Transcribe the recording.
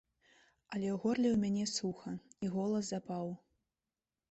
А ў горле ў мяне суха, і голас запаў.